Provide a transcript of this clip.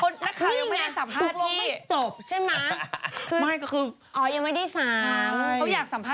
นี่ไงนักข่าวยังไม่ได้สัมภาษณ์ให้